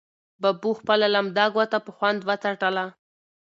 ببو خپله لمده ګوته په خوند وڅټله.